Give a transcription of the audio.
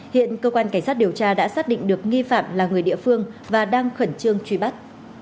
hiện cơ quan cảnh sát điều tra đã xác định được nghi phạm là người địa phương và đang khẩn trương truy bắt